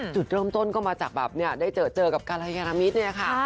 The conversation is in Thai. จุดเริ่มต้นก็มาจากแบบได้เจอกับกรยานมิตรเนี่ยค่ะ